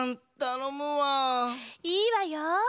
いいわよ。